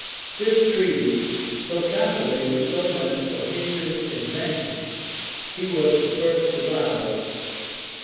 } This treaty, though calculated so much for Henry's advantage, he was the first to violate.